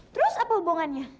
terus apa hubungannya